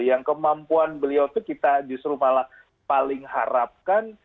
yang kemampuan beliau itu kita justru malah paling harapkan